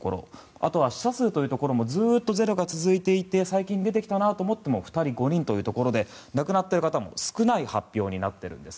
あとは死者数というところもずっと０が続いていて最近出てきたなと思っても２人、５人というところで亡くなっている方も少ない発表になっているんです。